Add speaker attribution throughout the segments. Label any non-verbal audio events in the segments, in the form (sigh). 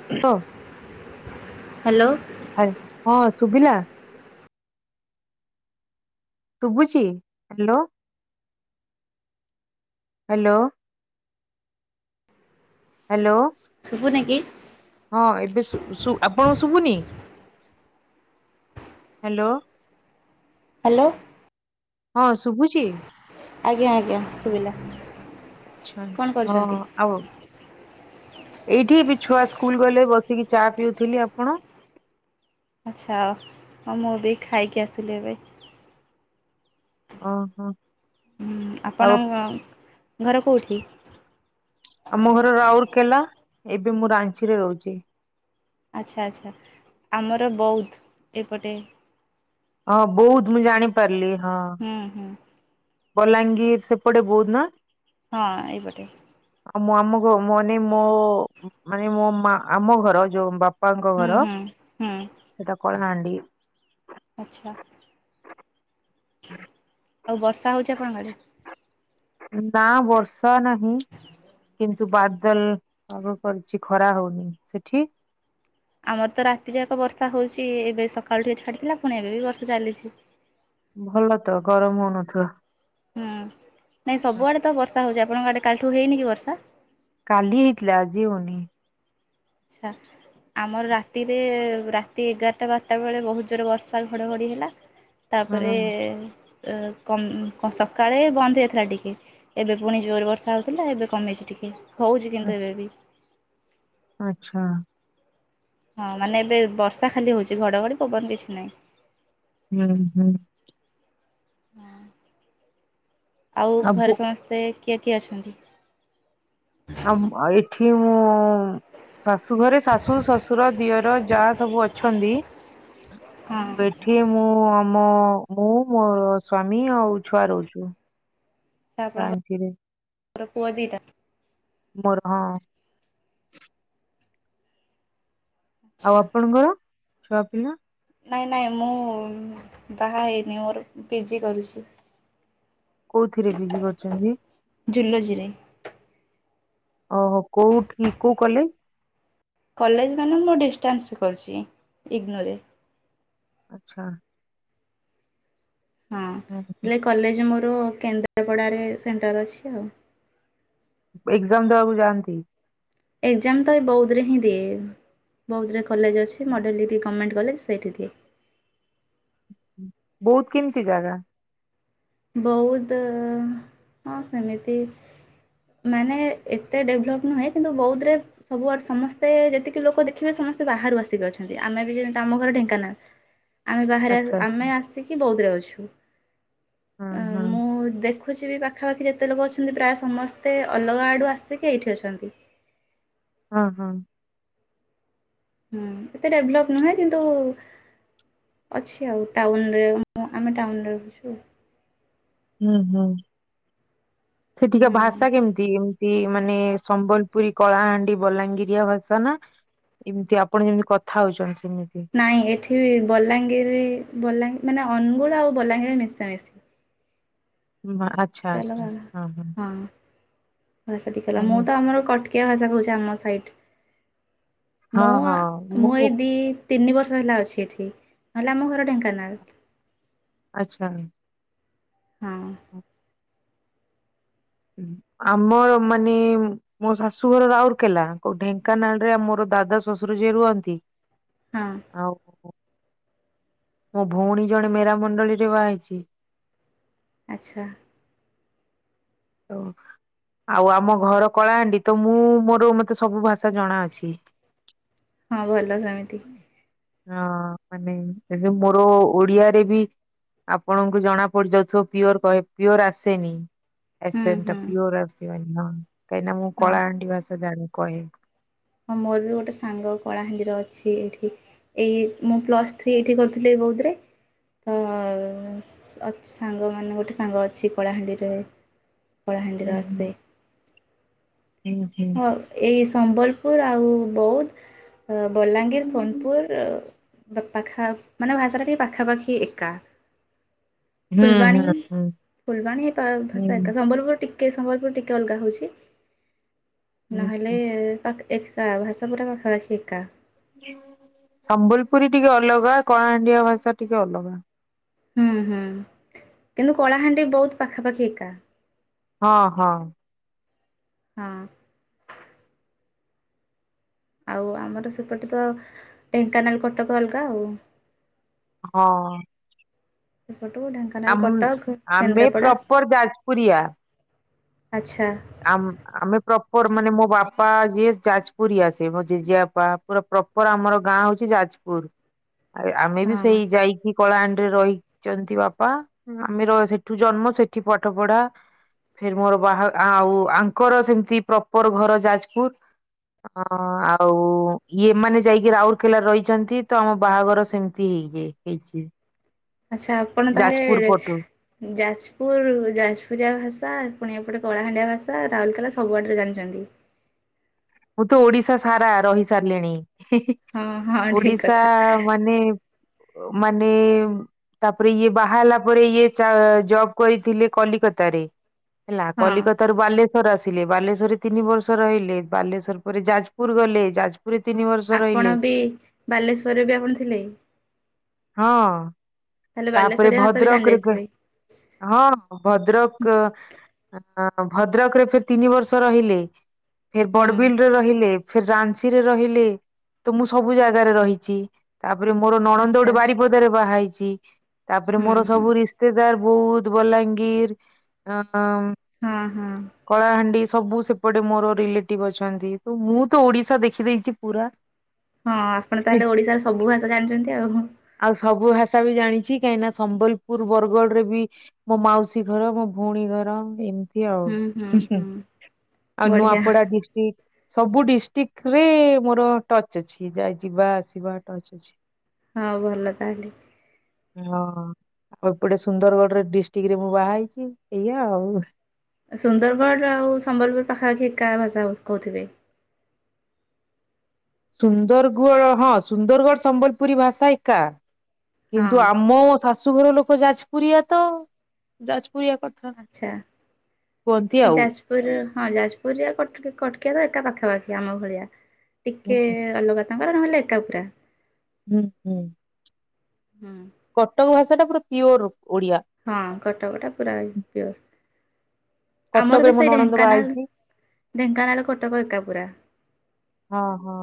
Speaker 1: (unintelligible)
Speaker 2: Hello.
Speaker 1: ଆ ହଁ ଶୁଭିଲା। ଶୁଭୁଛି ହାଲୋ। ହାଲୋ ହ୍ୟାଲୋ
Speaker 2: ଶୁଭୁନେ କି।
Speaker 1: ହଁ ଏବେ ଶୁ ଶୁ ଆପଣଙ୍କୁ ଶୁଭୁନି ହାଲୋ।
Speaker 2: ହାଲୋ।
Speaker 1: ହଁ ଶୁଭୁଛି।
Speaker 2: ଆଜ୍ଞା ଆଜ୍ଞା ଶୁବିଲା।
Speaker 1: ଆଚ୍ଛା ହଁ। ଆଉ ଏଇଠି ଏବେ ଛୁଆ ସ୍କୁଲ ଗଲେ ବସିକି ଚା ପିଉଥିଲି। ଆପଣ?
Speaker 2: ଆଚ୍ଛା ହଁ ମୁଁ ବି ଖାଇକି ଆସିଲି ଏବେ।
Speaker 1: ଗ ହଁ।
Speaker 2: ହୁଁ ଆପଣଙ୍କ ଘର କୋଉଠି?
Speaker 1: ଆମ ଘର ରାଉରକେଲା ଏବେ ମୁଁ ରାଞ୍ଚିରେ ରହୁଛି।
Speaker 2: ଆଚ୍ଛା ଆଚ୍ଛା ଆମର ବୌଧ ଏପଟେ।
Speaker 1: ହଁ ବୌଧ ମୁଁ ଜାଣି ପାରିଲି ହଁ।
Speaker 2: ହୁଁ ହୁଁ।
Speaker 1: ବଲାଙ୍ଗିର ସେପଟେ ବୌଧ ନା?
Speaker 2: ହଁ ଏଇପଟେ।
Speaker 1: ଆଉ ମୁଁ ଆମ ଘ ମନେ ମୋ ମାନେ ମୋ ମା ଆମ ଘର ଯୋଉ ବାପ ପାଙ୍କ
Speaker 2: ହୁଁ
Speaker 1: ଘର
Speaker 2: ହୁଁ ହୁଁ
Speaker 1: ସେଟା କଳାହାଣ୍ଡି।
Speaker 2: ଆଚ୍ଛା।
Speaker 1: (unintelligible)
Speaker 2: ଆଉ ବର୍ଷା ହଉଛି ଆପଣଙ୍କ ଆଡେ।
Speaker 1: ନା ବର୍ଷା ନାହିଁ କି ନ୍ତୁ ବାଦଲ ପାଗ କରିଛି ଖରା ହଉନି। ସେଠି?
Speaker 2: ଆମର ତ ରାତିଜାକ ବର୍ଷା ହଉଛି ଏବେ ସକାଳୁ ଟିକେ ଛାଡ଼ିଥିଲା ପୁଣି ଏବେ ବି ବର୍ଷା ଚାଲିଛି।
Speaker 1: ଭଲ ତ ଗରମ ହଉନଥିବ।
Speaker 2: ହୁଁ ନାଇଁ ସବୁଆଡ଼େ ତ ବର୍ଷା ହଉଛି ଆପଣଙ୍କ ଆଡ଼େ କାଲଠୁ ହେଇନି କି ବର୍ଷା?
Speaker 1: କାଲି ହେଇଥିଲା ଆଜି ହଉନି।
Speaker 2: ଆଚ୍ଛା। ଆମର ରାତିରେ ରାତି ଏଗାରଟା ବାରଟା ବେଳେ ବହୁତ ଜୋର ବର୍ଷା ଘଡ଼ଘଡ଼ି ହେଲା। ତାପରେ
Speaker 1: ହୁଁ
Speaker 2: କମ୍ ସକାଳେ ବନ୍ଦ ହେଇଯାଇଥିଲା ଟିକେ। ଏବେ ପୁଣି ଜୋରେ ବର୍ଷା ହଉଥିଲା ଏବେ କମିଛି ଟିକେ ହଉଛି କିନ୍ତୁ ଏବେ ବି।
Speaker 1: ଆଚ୍ଛା
Speaker 2: ହଁ ମାନେ ଏବେ ବର୍ଷା ଖାଲି ହଉଛି ଘଡ଼ଘଡ଼ି ପବନ କିଛି ନାହିଁ।
Speaker 1: ହୁଁ ହୁଁ
Speaker 2: ହଁ ଆଉ ଘରେ ସମସ୍ତେ କିଏ କିଏ ଅଛନ୍ତି?
Speaker 1: ଆମ ଏଠି ମୁଁ ଶାଶୁ ଘରେ ଶାଶୁ ଶଶୁର ଦିଅର ଯାଆ ସବୁ ଅଛନ୍ତି
Speaker 2: ହଁ
Speaker 1: ୱେଟ୍।
Speaker 2: ଆଚ୍ଛା
Speaker 1: ଏଠି ମୁଁ ଆମ ମୁଁ ମୋର ସ୍ଵାମୀ ଆଉ ଛୁଆ ରହୁଛୁ।
Speaker 2: ଆଚଛା
Speaker 1: ରାଞ୍ଚିରେ
Speaker 2: ଆପଣଙ୍କର ପୁଅ ଦୁଇଟା?
Speaker 1: ମୋର ହଁ। ଆଉ
Speaker 2: ଆଚ୍ଛା।
Speaker 1: ଆପଣଙ୍କର ଛୁଆ ପିଲା?
Speaker 2: ନାଇଁ ନାଇଁ ମୁଁ ବାହା ହେଇନି ମୋର ପିଜି କରୁଛି।
Speaker 1: କୋଉଥିରେ ପିଜି କରୁଛନ୍ତି?
Speaker 2: ଜୁଲୋଜି ରେ।
Speaker 1: ଓହୋ କୋଉଠି କୋଉ କଲେଜ?
Speaker 2: କଲେଜ ମାନେ ମୁଁ ଡିଷ୍ଟାନ୍ସ ରେ କରୁଛି ଇଗନୋରେ
Speaker 1: ଆଛା
Speaker 2: ହଁ
Speaker 1: ହୁଁ
Speaker 2: ହେଲେ କଲେଜ ମୋର କେନ୍ଦ୍ରାପଡ଼ାରେ ସେଣ୍ଟର ଅଛି ଆଉ।
Speaker 1: ଏକ୍ଜାମ ଦେବାକୁ ଯାଆନ୍ତି।
Speaker 2: ଏଗଜାମ ତ ଏଇ ବଉଧରେ ହିଁ ଦିଏ। ବଉଧ ରେ କଲେଜ ଅଛି ମଡ଼େଲିଟି ଗଭର୍ଣ୍ଣମେଣ୍ଟ କଲେଜ ସେଇିଟି ଦିଏ।
Speaker 1: ବୌଧ କେମିତି ଜାଗା?
Speaker 2: ବୌଧ ହଁ ସେମିତି। ମାନେ ଏତେ ଡେଭଲପ୍ ନୁହେଁ କିନ୍ତୁ ବୌଧରେ ସବୁଆଡ଼େ ସମସ୍ତେ ଯେତିକି ଲୋକ ଦେଖିବେ ସମସ୍ତେ ବାହାରୁ ଆସିକି ଅଛନ୍ତି ଆମେ ବି ଯେମିତି ଆମ ଘର ଢେଙ୍କାନାଳ। ଆମେ ବାହାରେ
Speaker 1: ଆଚ୍ଛା ଆଚ୍ଛା
Speaker 2: ଆମେ ଆସିକି ବୌଧରେ ଅଛୁ।
Speaker 1: ହଁ
Speaker 2: ଅ
Speaker 1: ହଁ
Speaker 2: ମୁଁ ଦେଖୁ। ଦେଖୁଛିିବ ବି ପାଖାପାଖି ଯେତେ ଲୋକ ଅଛନ୍ତି ପ୍ରାୟ ସମସ୍ତେ ଅଲଗା ଆଡ଼ୁ ଆସିକି ଏଇଠି ଅଛନ୍ତି।
Speaker 1: ହଁ ହଁ।
Speaker 2: ହୁଁ ଏତେ ଡେଭଲପ ନୁହେଁ କିନ୍ତୁ। ଅଛି ଆଉ ଟାଉନରେ ଆମେ ଟାଉନରେ ରହୁଛୁ।
Speaker 1: ହୁଁ ହୁଁ ସେଠିକା
Speaker 2: ହୁଁ
Speaker 1: ଭାଷା କେମିତି? ଏମିତି ମାନେ ସମ୍ବଲପୁରୀ କଳାହାଣ୍ଡି ବଲାଙ୍ଗିରିଆ ଭାଷା ନା? ଏମିତି ଆପଣ ଯେମିତି କଥା ହଉଛନ୍ତି ସେମିତି।
Speaker 2: ନାଇଁ ଏଠି ବଲାଙ୍ଗୀର ବଲାଙ୍ଗ ମାନେ ଅନୁଗୁଳ ଆଉ ବଲାଙ୍ଗୀରରେ ମିଶାମିଶି।
Speaker 1: (unintelligible)
Speaker 2: ଚାଲ ହଁ। ଭାଷାଟି ଗଲା
Speaker 1: ହୁଁ
Speaker 2: ମୁଁ
Speaker 1: ହୁଁ
Speaker 2: ତ ଆମର କଟକିଆ ଭାଷା କହୁଛି ଆମ ସାଇଡ।
Speaker 1: ହଁ
Speaker 2: ମୁଁ
Speaker 1: ହଁ
Speaker 2: ମୁଁ ଏଇ ଦି ତିନି ବର୍ଷ ହେଲା ଅଛି ଏଠି ନହେଲେ ଆମ ଘର ଢେଙ୍କାନାଳ।
Speaker 1: ଆଚ୍ଛା।
Speaker 2: ହଁ।
Speaker 1: ହଁ। ଆମର ମାନେ ମୋ ଶାଶୁ ଘର ରାଉରକେଲା କୋ ଢେଙ୍କାନାଳ ରେ ମୋର ଦାଦା ଶଶୁର ଯିଏ ରୁହନ୍ତି।
Speaker 2: ହଁ।
Speaker 1: ହଉ ହଉ। ମୋ ଭଉଣୀ ଜଣେ ମେରାମଣ୍ଡଳୀରେ ବାହା ହେଇଛି।
Speaker 2: ଆଚ୍ଛା।
Speaker 1: ହଉ। ଆଉ ଆମ ଘର କଳାହାଣ୍ଡି ତ ମୁଁ ମୋର ମତେ ସବୁ ଭାଷା ଜଣାଅଛି।
Speaker 2: ହଁ ଭଲ ସେମିତି।
Speaker 1: ହଁ ମାନେ ସେ ସବୁ ମୋର ଓଡିଆରେ ବି ଆପଣଙ୍କୁ ଜଣା ପଡିଯାଉଥିବ ପିଓର କହେ ପିଓର ଆସେନି।
Speaker 2: ହୁଁ
Speaker 1: ଏସେଣ୍ଟା
Speaker 2: ହୁଁ
Speaker 1: ପିଓର ଆସିବନି ହଁ କାହିଁନା ମୁଁ
Speaker 2: ହଁ
Speaker 1: କଳାହାଣ୍ଡିି ଭାଷା ଜାଣ କହେ।
Speaker 2: ହଁ ମୋର ବି ଗୋଟେ ସାଙ୍ଗ କଳାହାଣ୍ଡି ର ଅଛି ଏଇଠି। ଏଇ ମୁଁ ପ୍ଲସ୍ ଥ୍ରୀ ଏଇଠି କରିଥିଲି ବଉଦ୍ ରେ। ତ ସାଙ୍ଗମାନେ ଗୋଟେ ସାଙ୍ଗ ଅଛି କଳାହାଣ୍ଡିରେ। କଳାହାଣ୍ଡି
Speaker 1: ହୁଁ
Speaker 2: ରୁ ଆସେ।
Speaker 1: ହୁଁ ହୁଁ
Speaker 2: ହଁ ଏଇ ସମ୍ବଲପୁର ଆଉ ବଉଦ୍ ବଲାଙ୍ଗୀର, ସୋନପୁର ଦ ପାଖା ମାନେ ଭାଷାଟା ଟିକେ ପାଖାପାଖି ଏକା।
Speaker 1: ହୁଁ
Speaker 2: ଫୁଲବାଣୀ
Speaker 1: ହୁଁ ହୁଁ।
Speaker 2: ଫୁଲବାଣୀ ଏ
Speaker 1: ହୁଁ
Speaker 2: ଭାଷା ଏକା ସମ୍ବଲପୁର ଟିକେ ସମ୍ବଲପୁର ଟିକେ ଅଲଗା ହଉଛି।
Speaker 1: ହୁଁ
Speaker 2: ନହେଲେ
Speaker 1: ହୁଁ
Speaker 2: ତ ଏକା ଭାଷା ପୁରା ଏକା।
Speaker 1: ସମ୍ବଲପୁରୀ ଟିକେ ଅଲଗା କଳାହାଣ୍ଡିଆ ଭାଷା ଟିକେ ଅଲଗା।
Speaker 2: ହୁଁ ହୁଁ କିନ୍ତୁ କଳାହାଣ୍ଡି ବହୁତ ପାଖାପାଖି ଏକା।
Speaker 1: ହଁ ହଁ।
Speaker 2: ହୁଁ। ଆଉ ଆମର ସେପଟେ ତ ଢେଙ୍କାନାଳ କଟକ ଅଲଗା ଆଉ।
Speaker 1: ହଁ।
Speaker 2: ସେପଟୁ ଢେଙ୍କାନାଳ,
Speaker 1: ଆମ
Speaker 2: କଟକ,
Speaker 1: ଆମେ
Speaker 2: କେନ୍ଦ୍ରାପଡ଼ା
Speaker 1: ପ୍ରପର ଯାଜପୁରିଆ।
Speaker 2: ଆଚ୍ଛା।
Speaker 1: ଆ ଆମେ ପ୍ରପର ମାନେ ମୋ ବାପା ଯିଏ ଯାଜପୁରୀଆ ସେ ମୋ ଜେଜେବାପା ପୁରା ପ୍ରପର ଆମର ଗାଁ ହଉଛି ଯାଜପୁର।
Speaker 2: (inaudible)
Speaker 1: ଆରେ ଆମେ ବି ସେଇ
Speaker 2: ହଁ
Speaker 1: ଯାଇକି କଳାହାଣ୍ଡି ରେ ରହିଛନ୍ତି ବାପା ଆମେ ସେଠୁ ଜନ୍ମ ସେଠି ପାଠ ପଢା। ଫେର ମୋର ବାହା ଆଉ ଆଙ୍କର ସେମିତି ପ୍ରପର ଘର ଯାଜପୁର। ଅ ଆଉ ଇଏମାନେ ଯାଇକି ରାଉରକେଲା ରହିଛନ୍ତି ତ ଆମ ବାହାଘର ସେମିତି ହେଇଯାଇ। ହେଇଛି।
Speaker 2: ଆଚ୍ଛା ଆପଣ
Speaker 1: ଯାଜପୁର
Speaker 2: ତାହେଲେ
Speaker 1: ପଟୁ
Speaker 2: ଯାଜପୁର ଯାଜପୁରିଆ ଭାଷା ପୁଣି ଏପଟେ କଳାହାଣ୍ଡିଆ ଭାଷା ରାଉରକେଲା ସବୁଆଡରେ ଜାଣିଛନ୍ତି।
Speaker 1: ମୁଁ ତ ଓଡିଶା ସାରା ରହି ସାରିଲେଣି।
Speaker 2: ହଁ ହଁ ଠିକ୍
Speaker 1: ଓଡିଶା
Speaker 2: କଥା
Speaker 1: ମାନେ ମାନେ ତାପରେ ଇଏ ବାହା ହେଲା ପରେ ଇଏ ଜବ କରିଥିଲେ କଲିକତାରେ। ହେଲା
Speaker 2: ହଁ
Speaker 1: କଲିକତା ରୁ ବାଲେଶ୍ଵର ଆସିଲେ ବାଲେଶ୍ଵରରେ ତିନି ବର୍ଷ ରହିଲେ। ବାଲେଶ୍ଵର ପରେ ଯାଜପୁର ଗଲେ ଯାଜପୁର। ପୁରି ତିନି ବର୍ଷ।
Speaker 2: ଆପଣ
Speaker 1: ରହିଲେ
Speaker 2: ବି ବାଲେଶ୍ୱରରେ ବି ଆପଣ ଥିଲେ?
Speaker 1: ହଁ
Speaker 2: ତାହେଲେ
Speaker 1: ତାପରେ
Speaker 2: ବାଲେଶ୍ୱରିଆ ଭାଷା ବି
Speaker 1: ଭଦ୍ରକରେ।
Speaker 2: ଜାଣିଯାଇଥିବେ
Speaker 1: ହଁ ଭଦ୍ରକ ଭଦ୍ରକ ରେ ଫିର ତିନି ବର୍ଷ ରହିଲି। ଫିର
Speaker 2: ହୁଁ
Speaker 1: ବଡ଼ବିଲରେ ରହିଲି। ଫିର ରାଞ୍ଚି ରେ ରହିଲି ତ ମୁଁ ସବୁ ଜାଗାରେ ରହିଛି ତାପରେ ମୋର ନଣନ୍ଦ
Speaker 2: ଆଚ୍ଛା
Speaker 1: ଗୋଟେ ବାରି ପଦାରେ ବାହା ହେଇଛି ତାପରେ
Speaker 2: ହୁଁ
Speaker 1: ମୋର
Speaker 2: ହୁଁ
Speaker 1: ସବୁ ରିସ୍ତେତେଦାର ବୌଦ୍ଧ ବଲାଙ୍ଗୀର ଅଁ।
Speaker 2: ହଁ ହଁ।
Speaker 1: କଳାହାଣ୍ଡି ସବୁ ସେପଟେ ମୋର ରିଲେଟିଭ ଅଛନ୍ତି ତ ମୁଁ ତ ଓଡିଶା ଦେଖିଦେଇଛି ପୁରା।
Speaker 2: ହଁ ଆପଣ ତାହେଲେ ଓଡିଶାର ସବୁ ଭାଷା ଜାଣିଛନ୍ତି ଆଉ।
Speaker 1: ଆଉ ସବୁ ଭାଷା ବି ଜାଣି ଛି କାହିଁ ନା ସମ୍ବଲପୁର ବରଗଡ ରେ ବି ମୋ ମାଉସୀ ଘର ମୋ ଭଉଣୀ ଘର ଏମ ତି ଆଉ
Speaker 2: ହୁଁ ହୁଁ ହୁଁ
Speaker 1: ଆଉ
Speaker 2: ବଢିଆ
Speaker 1: ନୂଆପଡା ଡିଷ୍ଟ୍ରିକ୍ଟ। ସବୁ ଡିଷ୍ଟ୍ରିକଟ ରେ ମୋର ଟଚ୍ ଅଛି ଯାଇ ଯିବା ଆସିବା ଟଚ୍ ଅଛି।
Speaker 2: ହଁ ଭଲ ତାହେଲେ।
Speaker 1: ହଁ ଆଉ ଏପଟେ ସୁନ୍ଦରଗଡ ଡିଷ୍ଟ୍ରିକ୍ଟ ରେ ମୁଁ ବାହା ହେଇଛି ଏଇଆ ଆଉ।
Speaker 2: ସୁନ୍ଦରଗଡ଼ ଆଉ ସମ୍ବଲପୁର ପାଖାପାଖି ଏକା ଭାଷା କହୁଥିବେ?
Speaker 1: ସୁନ୍ଦରଗଡ଼ ହଁ ସୁନ୍ଦରଗଡ଼ ସମ୍ବଲପୁରୀ ଭାଷା ଏକା। କିନ୍ତୁ
Speaker 2: ହଁ।
Speaker 1: ଆମ ଶାଶୁଘର ଲୋକ ଯାଜପୁରଆ ତ ଯାଜପୁରଆ କ
Speaker 2: ଆଚ୍ଛା ଯାଜ ପୁର ହଁ ଯାଜପୁର କଟକିଆ ତ ଏକା ପାଖାପାଖି ଆମ ଭଳିଆ। ଟିକେ
Speaker 1: ହୁଁ
Speaker 2: ଅଲଗା ତାଙ୍କର ନହେଲେ ଏକାପୁରା।
Speaker 1: ହୁଁ ହୁଁ।
Speaker 2: ହୁଁ।
Speaker 1: କଟକ ଭାଷା ଟା ପୁରା ପିଓର ଓଡିଆ।
Speaker 2: ହଁ କଟକ ଟା ପୁରା ପିଓର। ଆମର
Speaker 1: କଟକରେ
Speaker 2: ବି
Speaker 1: ମୋ
Speaker 2: ସେଇ
Speaker 1: ନଣନ୍ଦ ବାହା
Speaker 2: ଢେଙ୍କାନାଳ
Speaker 1: ହେଇଛି
Speaker 2: ଢେଙ୍କାନାଳ କଟକ ଏକା ପୁରା।
Speaker 1: ହଁ ହଁ।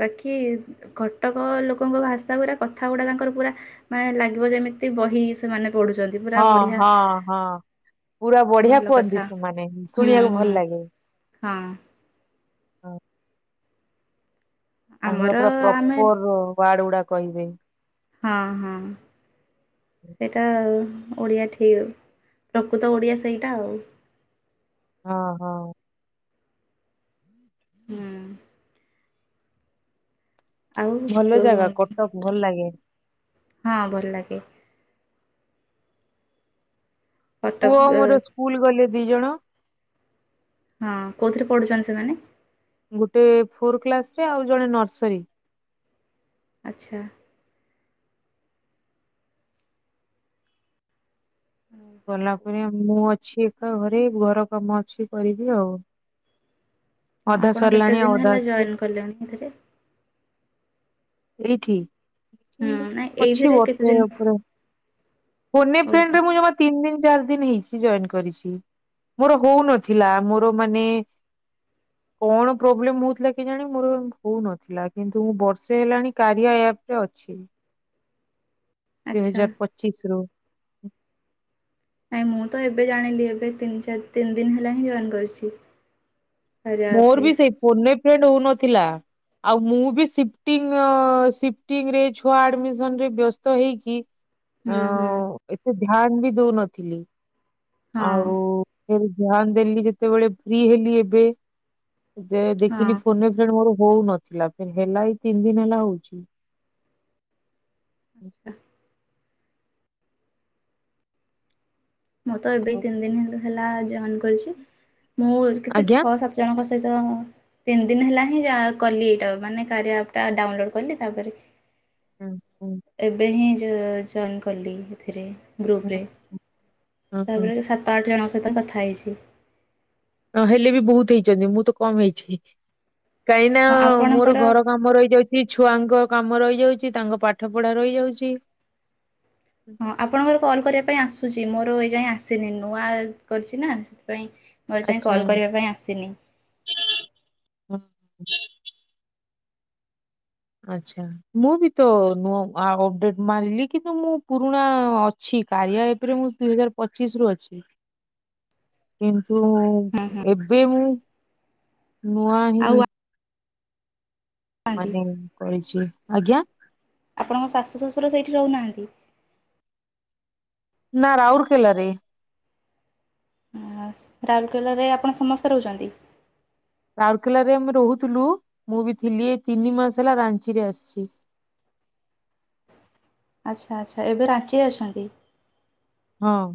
Speaker 2: ବାକି କଟକ ଲୋକଙ୍କ ଭାଷା ଗୁରା କଥା ଗୁଡା ତାଙ୍କର ପୁରା। ମାନେ ଲାଗିବ ଯେମିତି ବହି ସେମାନେ ପଢୁଛନ୍ତି। ପୁରା
Speaker 1: ହଁ
Speaker 2: ବଢ଼ିଆ
Speaker 1: ହଁ ହଁ ପୁରା ବଢିଆ
Speaker 2: ଭଲ
Speaker 1: କୁହନ୍ତି
Speaker 2: କଥା।
Speaker 1: ସେମାନେ
Speaker 2: ହୁଁ
Speaker 1: ଶୁଣିବାକୁ
Speaker 2: ହୁଁ
Speaker 1: ଭଲ ଲାଗେ।
Speaker 2: ହଁ।
Speaker 1: (inaudible) ତାଙ୍କର
Speaker 2: ଆମର
Speaker 1: ପୁରା
Speaker 2: ଆମେ
Speaker 1: ପ୍ରପର ୱାର୍ଡ ଗୁଡା କହିବେ।
Speaker 2: ହଁ ହଁ। ସେଇଟା ଓଡ଼ିଆ ଠିକ୍ ପ୍ରକୃତ ଓଡ଼ିଆ ସେଇଟା ଆଉ।
Speaker 1: ହଁ ହଁ।
Speaker 2: ହୁ। ଆଉ
Speaker 1: ଭଲ
Speaker 2: ଉ,
Speaker 1: ଜାଗା କଟକ ଭଲ ଲାଗେ।
Speaker 2: ହଁ ଭଲ ଲାଗେ। କଟକ
Speaker 1: ପୁଅ ମୋର ସ୍କୁଲ ଗଲେ ଦି ଜଣ।
Speaker 2: ହଁ କୋଉଥିରେ ପଢୁଛନ୍ତି ସେମାନେ?
Speaker 1: ଗୋଟେ ଫୋର କ୍ଲାସ ରେ ଆଉ ଜଣେ ନର୍ସରୀ।
Speaker 2: ଆଛା।
Speaker 1: ଗଲା ପରେ ମୁଁ ଅଛି ତ ଘରେ, ଘର କାମ ଅଛି କରିବି ଆଉ।
Speaker 2: ହଁ,
Speaker 1: ଅଧା
Speaker 2: ଆପଣ କେତେ
Speaker 1: ସରିଲାଣି ଆଉ
Speaker 2: ଦିନି
Speaker 1: ଅଧା
Speaker 2: ହେଲା
Speaker 1: ଅଛି
Speaker 2: ଜଏନ୍ କଲେଣି ଏଥିରେ?
Speaker 1: ଏଇଠି,
Speaker 2: ହୁଁ ନାଇଁ
Speaker 1: ଅଛି
Speaker 2: ଏଇଥିରେ କେତେ
Speaker 1: ବର୍ଷେ
Speaker 2: ଦିନ
Speaker 1: ଉପରେ। ଫୋନ ଏ ଫ୍ରେଣ୍ଡରେ
Speaker 2: ଓହୋ।
Speaker 1: ମୁଁ ଜମା ତିନି ଦିନି, ଚାରି ଦିନି, ହେଇଚି ଜଏନ କରିଚି। ମୋର ହଉନଥିଲା, ମୋର ମାନେ
Speaker 2: (inaudible)
Speaker 1: କଣ ପ୍ରୋବ୍ଲେମ୍ ହଉଥିଲା କେଜାଣି ମୋର ହଉନଥିଲା, କିନ୍ତୁ ମୁଁ ବର୍ଷେ ହେଲାଣି କାରିଆ ଆପ୍ ରେ ଅଛି। ଦୁଇ
Speaker 2: ଆଚ୍ଛା
Speaker 1: ହଜାର ପଚିଶି ରୁ।
Speaker 2: ନାଇଁ ମୁଁ ତ ଏବେ ଜାଣିଲି, ଏବେ ତିନି ଚାରି ତିନି ଦିନ ହେଲା ହିଁ ଜଏନ୍ କରିଛି। କାରିଆ ଆପରେ
Speaker 1: ମୋର ବି ସେଇ, ଫୋନ୍ ଏ ଫ୍ରେଣ୍ଡ ହଉନଥିଲା। ଆଉ ମୁଁ ବି ସିଟିଂ, ସିଟିଙ୍ଗରେ ଛୁଆ ଆଡମିସନ୍ ରେ ବ୍ୟସ୍ତ ହେଇକି ଓ,
Speaker 2: ହୁଁ ହୁଁ
Speaker 1: ଏତେ ଧ୍ୟାନ ବି ଦଉନଥିଲି।
Speaker 2: ହଁ
Speaker 1: ଆଉ ସେ ଧ୍ୟାନ ଦେଲି ଯେତେବେଳେ ଫ୍ରୀ ହେଲି ଏବେ। ଯେ
Speaker 2: ହଁ।
Speaker 1: ଦେଖିଲି
Speaker 2: ଆଚ୍ଛା।
Speaker 1: ଫୋନ ଏ ଫ୍ରେଣ୍ଡ ମୋର ହଉନଥିଲା, ଫେରେ ହେଲା ଏଇ ତିନି ଦିନ ହେଲା ହଉଚି।
Speaker 2: (unintelligible) ମୁଁ ତ ଏବେ ତିନି ଦିନ ହେ ହେଲା ଜଏନ୍ କରିଚି, ମୁଁ କେତେ
Speaker 1: ଆଜ୍ଞା।
Speaker 2: ଛଅ ସାତ ଜଣଙ୍କ ସହିତ ହ ତିନି ଦିନ ହେଲା ହିଁ କଲି ଏଇଟା, ମାନେ କାରିଆ ଆପ୍ ଟା ଡାଉନଲୋଡ କଲି ତାପରେ
Speaker 1: ହୁଁ ହୁଁ
Speaker 2: ଏବେ ହିଁ ଜ ଜଏନ୍ କଲି ଏଥିରେ, ଗ୍ରୁପ ରେ।
Speaker 1: ହୁଁ ହୁଁ।
Speaker 2: ତାପରେ ସାତ ଆଠ ଜଣଙ୍କ ସହିତ କଥା ହେଇଛି।
Speaker 1: ନ ହେଲେ ବି ବହୁତ ହେଇଚନ୍ତି, ମୁଁ ତ କମ୍ ହେଇଚି, କାହିଁ ନା
Speaker 2: ହଁ
Speaker 1: ମୋର
Speaker 2: ଆପଣଙ୍କର
Speaker 1: ଘର କାମ ରହିଯାଉଚି, ଛୁଆଙ୍କ କାମ ରହିଯାଉଚି, ତାଙ୍କ ପାଠ ପଢା ରହିଯାଉଚି।
Speaker 2: ହଁ, ଆପଣଙ୍କର କଲ୍ କରିବା ପାଇଁ ଆସୁଚି, ମୋର ଏଇ ଯାଇଁ ଆସିନି, ନୂଆ କରିଚି ନା, ସେଥିପାଇଁ ମୋର ଏ ଯାଇ
Speaker 1: ଆଚ୍ଛା
Speaker 2: କଲ୍ କରିବା ପାଇଁ ଆସିନି।
Speaker 1: (unintelligible) ଆଛା। ମୁଁ ବି ତ ନୂଆ ଅପଡେଟ୍ ମାରିଲି କିନ୍ତୁ ମୁଁ ପୁରୁଣା ଅଛି କାରିଆ ଏପରେ ମୁଁ ଦୁଇ ହଜାର ପଚିଶ ରୁ ଅଛି, କିନ୍ତୁ
Speaker 2: ହଁ ହଁ
Speaker 1: ଏବେ ମୁଁ ନୂଆ
Speaker 2: ଆଉ
Speaker 1: ହିଁ
Speaker 2: ନାହାନ୍ତି
Speaker 1: ମାନେ ମୁଁ କରିଚି, ଆଜ୍ଞା।
Speaker 2: ଆପଣଙ୍କ ଶାଶୁ ଶ୍ୱଶୁର ସେଇଠି ରହୁନାହାନ୍ତି?
Speaker 1: ନା, ରାଉର କେଲାରେ।
Speaker 2: ରାଉରକେଲାରେ ଆପଣ ସମସ୍ତେ ରହୁଚନ୍ତି?
Speaker 1: ରାଉରକେଲ ରେ ଆମେ ରହୁଥିଲୁ, ମୁଁ ବି ଥିଲି, ଏଇ ତିନି ମାସ ହେଲା ରାଞ୍ଚିରେ ଆସିଛି।
Speaker 2: ଆଛା ଆଛା, ଏବେ ରାଞ୍ଚିରେ ଅଛନ୍ତି।
Speaker 1: ହଁ।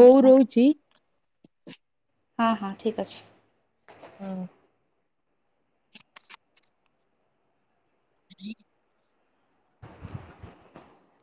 Speaker 1: ବୋଉ
Speaker 2: ଆଚ୍ଛା
Speaker 1: ରହୁଚି
Speaker 2: ହଁ ହଁ ଠିକ୍ ଅଛି।
Speaker 1: ହଁ। (unintelligible)
Speaker 2: (unintelligible)